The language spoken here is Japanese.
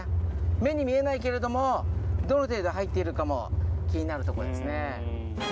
目に見えないけれどもどの程度入っているかも気になるところですね。